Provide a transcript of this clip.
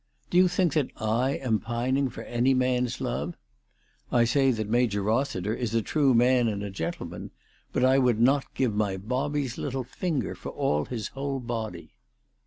Do you think that I am pining for any man's love ? I say that Major Rossiter is a true man and a gentleman ; but I would not give my Bobby's little finger for all his whole body."